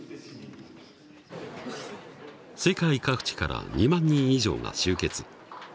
世界各地から２万人以上が集結。